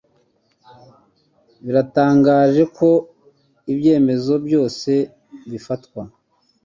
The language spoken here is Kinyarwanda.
biratangaje ko ibyemezo byose bifatwa.